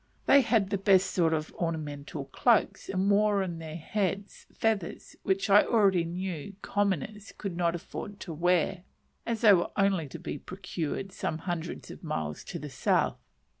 They had the best sort of ornamented cloaks, and wore in their heads, feathers, which I already knew "commoners" could not afford to wear, as they were only to be procured some hundreds of miles to the south.